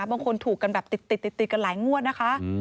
บางคนถูกกันแบบติดกันหลายงวดนะคะ